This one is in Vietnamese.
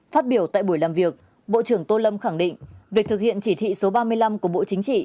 phát biểu tại buổi làm việc bộ trưởng tô lâm khẳng định việc thực hiện chỉ thị số ba mươi năm của bộ chính trị